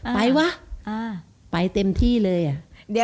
วะไปเต็มที่เลยอ่ะ